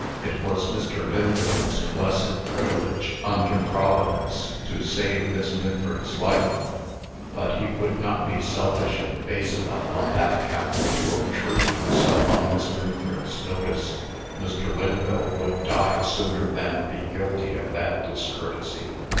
It was Mr. Lynville's blessed privilege, under Providence, to save Miss Minford's life; but he would not be selfish and base enough on that account to obtrude himself on Miss Minford's notice. Mr. Lynville would die sooner than be guilty of that discourtesy.